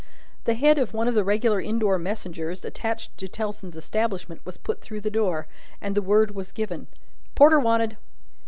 The head of one of the regular indoor messengers attached to Tellson's establishment was put through the door, and the word was given: "Porter wanted!"